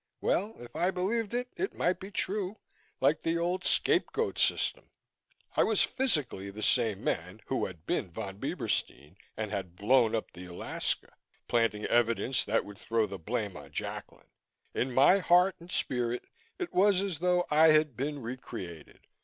Well, if I believed it, it might be true, like the old scape goat system. I was physically the same man who had been Von Bieberstein and had blown up the Alaska, planting evidence that would throw the blame on Jacklin. In my heart and spirit, it was as though I had been recreated.